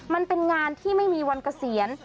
มันเป็นงานที่ไม่มีวันเกษียณ